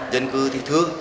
dân cư thì thứ